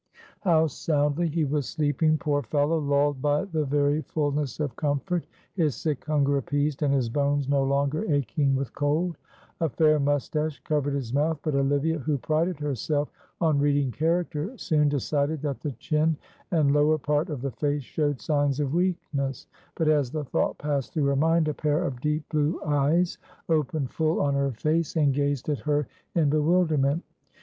How soundly he was sleeping, poor fellow, lulled by the very fulness of comfort, his sick hunger appeased, and his bones no longer aching with cold. A fair moustache covered his mouth, but Olivia, who prided herself on reading character, soon decided that the chin and lower part of the face showed signs of weakness, but as the thought passed through her mind a pair of deep blue eyes opened full on her face, and gazed at her in bewilderment.